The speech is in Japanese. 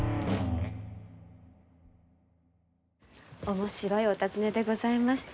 面白いお尋ねでございました。